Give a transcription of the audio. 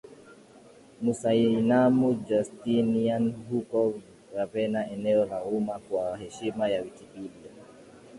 Musainian Justinian huko Ravenna Eneo la Umma Kwa heshima ya Wikipedia